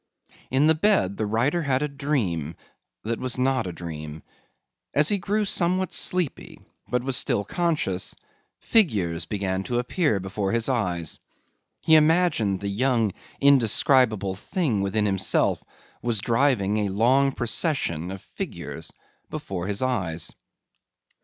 In the bed the writer had a dream that was not a dream. As he grew somewhat sleepy but was still conscious, figures began to appear before his eyes. He imagined the young indescribable thing within himself was driving a long procession of figures before his eyes.